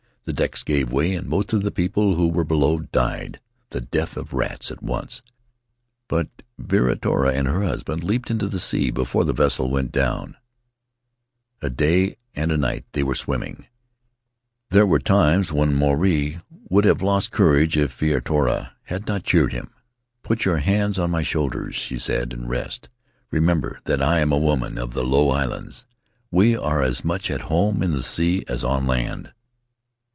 The decks gave way, and most of the people — who were below — died the death of rats at once, but Viritoa and her husband leaped into the sea before the vessel went down. Faery Lands of the South Seas "A day and a night they were swimming; there were times when Maruae would have lost courage if Viritoa had not cheered him. 'Put your hands on my shoulders,' she said, 'and rest; remember that I am a woman of the Low Islands — we are as much at home in the sea as on land.'